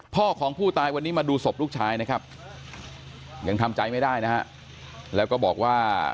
พ่อของผู้ตายวันนี้มาดูศพลูกชายนะครับยังทำใจไม่ได้นะฮะแล้วก็บอกว่า